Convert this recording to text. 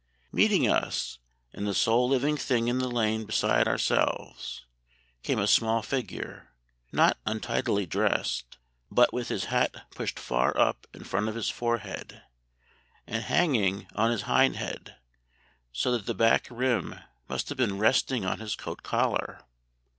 Meeting us, and the sole living thing in the lane beside ourselves, came a small figure, not untidily dressed, but with his hat pushed far up in front of his forehead, and hanging on his hindhead, so that the back rim must have been resting on his coat collar.